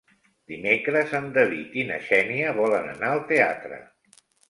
Dimecres en David i na Xènia volen anar al teatre.